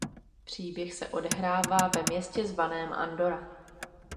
Příběh se odehrává ve městě zvaném Andorra.